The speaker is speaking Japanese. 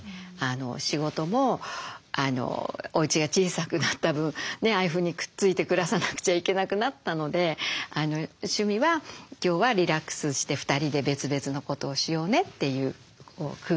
仕事もおうちが小さくなった分ああいうふうにくっついて暮らさなくちゃいけなくなったので趣味は今日はリラックスして２人で別々のことをしようねっていう空間を作ってます。